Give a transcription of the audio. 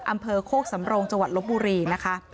อำเภอโคกสำโรงจลบบุรีนะคะ